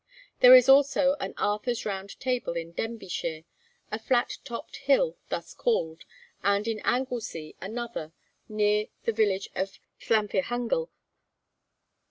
There is also an Arthur's Round Table in Denbighshire, a flat topped hill thus called, and in Anglesea another, near the village of Llanfihangel.